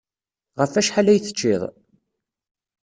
Ɣef wacḥal ay tecciḍ?